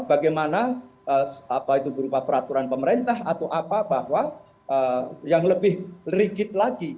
bagaimana apa itu berupa peraturan pemerintah atau apa bahwa yang lebih rigid lagi